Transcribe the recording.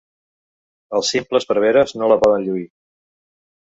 Els simples preveres no la poden lluir.